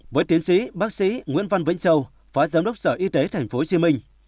với tiến sĩ bác sĩ nguyễn văn vĩnh châu phó giám đốc sở y tế tp hcm